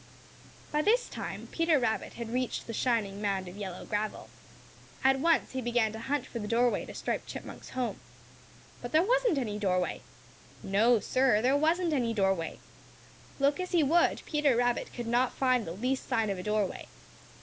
By this time Peter Rabbit had reached the shining mound of yellow gravel. At once he began to hunt for the doorway to Striped Chipmunk's home. But there wasn't any doorway. No, Sir, there wasn't any doorway! Look as he would, Peter Rabbit could not find the least sign of a doorway.